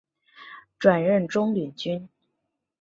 转任中领军。